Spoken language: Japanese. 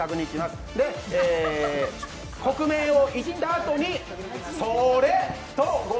国名を言ったあとにそれ！というゴー☆